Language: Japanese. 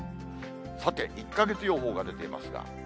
さて、１か月予報が出ていますが。